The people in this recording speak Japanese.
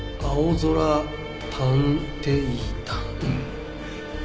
「あおぞらたんていだん」。